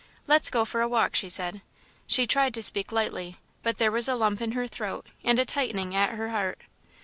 "Let's go for a walk," she said. She tried to speak lightly, but there was a lump in her throat and a tightening at her heart.